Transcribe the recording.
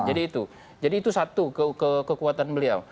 jadi itu satu kekuatan beliau